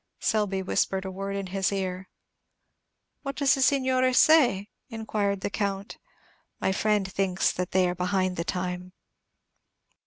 Selby whispered a word in his ear. "What does the signore say?" inquired the Count. "My friend thinks that they are behind the time."